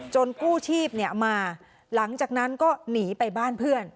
กู้ชีพมาหลังจากนั้นก็หนีไปบ้านเพื่อน